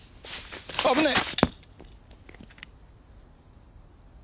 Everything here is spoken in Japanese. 危ない！